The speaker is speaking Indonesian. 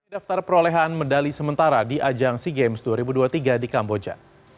daftar perolehan medali sementara di ajang sea games dua ribu dua puluh tiga di kamboja